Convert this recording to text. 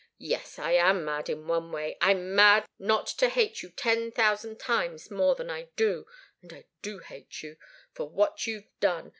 Yes I am mad in one way I'm mad not to hate you ten thousand times more than I do and I do hate you for what you've done!